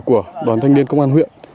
của đoàn thanh niên công an huyện